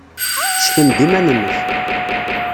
Ssken-d iman-nnek.